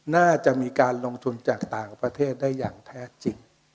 น่าจะมีการลงทุนจากต่างประเทศได้อย่างแท้จริง